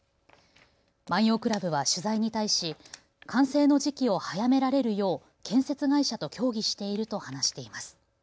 万葉倶楽部は取材に対し完成の時期を早められるよう建設会社と協議していると話しています。